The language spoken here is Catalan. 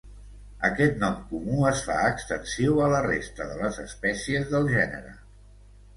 Aquest nom comú es fa extensiu a la resta de les espècies del gènere.